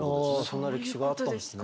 そんな歴史があったんですね。